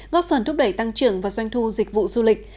góp phần thúc đẩy tăng trưởng và doanh thu dịch vụ du lịch